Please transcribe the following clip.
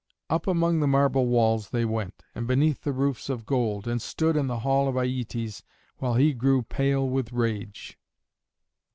Up among the marble walls they went, and beneath the roofs of gold, and stood in the hall of Aietes, while he grew pale with rage.